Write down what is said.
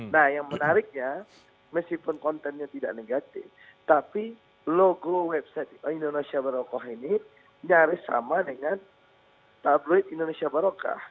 nah yang menariknya meskipun kontennya tidak negatif tapi logo website indonesia barokah ini nyaris sama dengan tabloid indonesia barokah